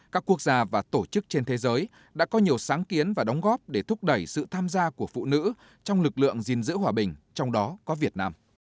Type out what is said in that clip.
các quốc gia và tổ chức trên thế giới đã có nhiều sáng kiến và đóng góp để thúc đẩy sự tham gia của phụ nữ trong lực lượng gìn giữ hòa bình trong đó có việt nam